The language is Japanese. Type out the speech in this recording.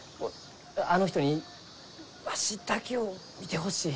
あの人にわしだけを見てほしい。